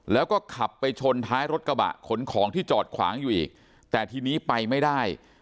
แล้วก็ขับไปชนท้ายรถกระบะขนของที่จอดขวางอยู่อีกแต่ทีนี้ไปไม่ได้